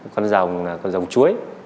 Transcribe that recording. con rồng là con rồng chuối